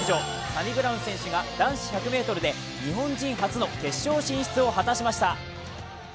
サニブラウン選手が男子１００ｍで日本人初の決勝進出を果たしました。